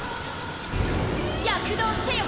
躍動せよ！